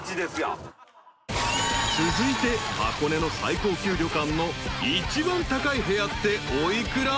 ［続いて箱根の最高級旅館の一番高い部屋ってお幾ら？］